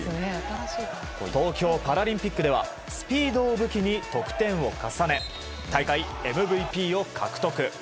東京パラリンピックではスピードを武器に得点を重ね大会ＭＶＰを獲得。